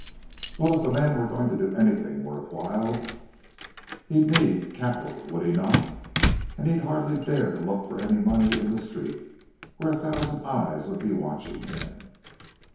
"Well, if the man were going to do anything worth while, he'd need capital, would he not? And he'd hardly dare to look for any money in the Street, where a thousand eyes would be watching him.